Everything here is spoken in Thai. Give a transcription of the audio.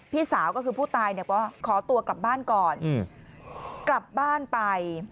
พี่สาวก็คือผู้ตายเนี่ยก็ขอตัวกลับบ้านก่อนกลับบ้านไป